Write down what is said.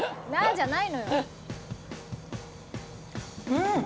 うん。